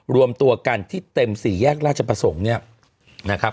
รวมตัวกันที่เต็มสี่แยกราชประสงค์เนี่ยนะครับ